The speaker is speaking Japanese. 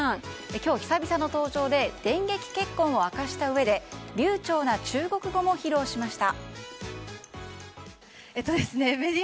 今日、久々の登場で電撃結婚を明かしたうえで流暢な中国語も披露しました。